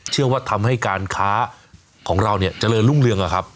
ทำให้การค้าของเราเนี่ยเจริญรุ่งเรืองอะครับ